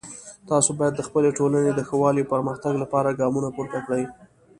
تاسو باید د خپلې ټولنې د ښه والی او پرمختګ لپاره ګامونه پورته کړئ